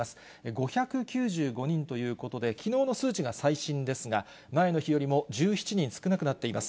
５９５人ということで、きのうの数値が最新ですが、前の日よりも１７人少なくなっています。